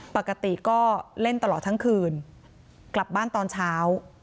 ปกติก็เล่นตลอดทั้งคืนกลับบ้านตอนเช้า